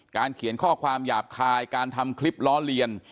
เขียนข้อความหยาบคายการทำคลิปล้อเลียน